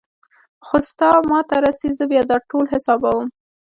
خو ستا ما ته رسي زه بيا دا ټول حسابوم.